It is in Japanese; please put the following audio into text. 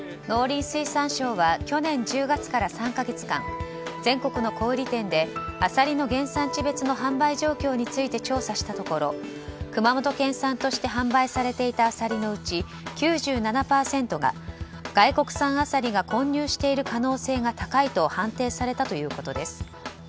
農林水産省は去年１０月から３か月間全国の小売店でアサリの原産地別の販売状況について調査したところ熊本県産として販売されていたアサリのうち９７％が外国産アサリが混入している可能性が高いと判定されたということです。